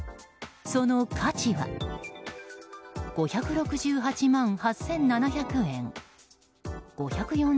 その価値は５６８万８７００円５４０万８３１２円